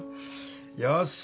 よし。